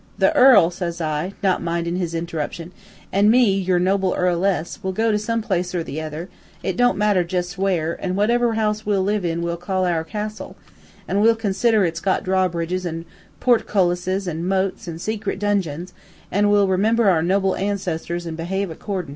"'The earl,' says I, not mindin' his interruption, 'an' me, your noble earl ess, will go to some good place or other it don't matter much jus' where, and whatever house we live in we'll call our castle an' we'll consider it's got draw bridges an' portcullises an' moats an' secrit dungeons, an' we'll remember our noble ancesters, an' behave accordin'.